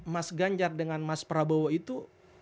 mas ganjar dengan mas prabowo itu